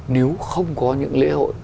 nếu không có những lễ hội